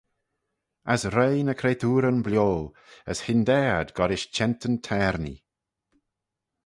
As roie ny cretooryn bio, as hyndaa ad goll-rish chentyn-taarnee.